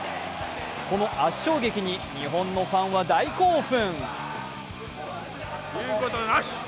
この圧勝劇に日本のファンは大興奮。